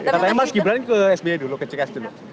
katanya mas gibran ke sby dulu ke cks dulu